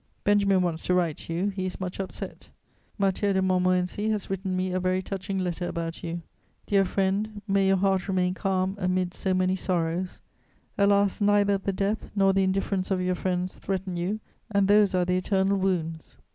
"Benjamin wants to write to you; he is much upset. Mathieu de Montmorency has written me a very touching letter about you. Dear friend, may your heart remain calm amid so many sorrows. Alas, neither the death nor the indifference of your friends threaten you, and those are the eternal wounds.